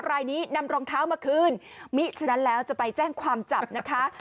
รายนี้นำรองเท้ามาคืนมิฉะนั้นแล้วจะไปแจ้งความจับนะคะ